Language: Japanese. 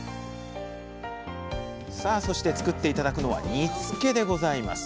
さあそして作って頂くのは煮つけでございます。